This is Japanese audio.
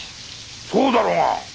そうだろうが！